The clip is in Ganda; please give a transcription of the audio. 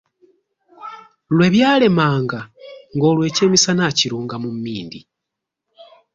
Lwebyalemanga ng'olwo ekyemisana akirunga mu mmindi!